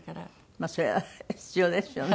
まあそれは必要ですよね。